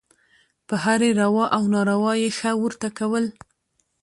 په هرې روا او ناروا یې «ښه» ورته کول.